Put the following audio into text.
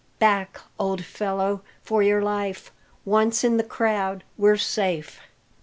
"Back, old fellow, for your life! Once in the crowd, we're safe."